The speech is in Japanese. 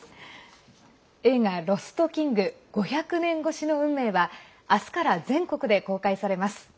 映画「ロスト・キング５００年越しの運命」は明日から全国で公開されます。